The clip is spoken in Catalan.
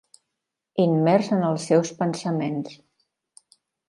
Immers en els seus pensaments.